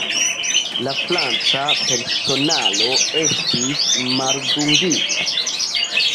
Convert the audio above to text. La franca personaro estis maldungita.